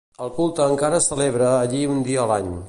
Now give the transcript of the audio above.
El culte encara es celebra allí un dia a l'any.